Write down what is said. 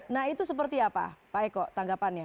nah itu seperti apa pak eko tanggapannya